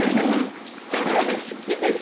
だから好きです。